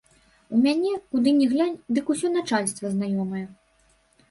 У мяне, куды ні глянь, дык усё начальства знаёмае.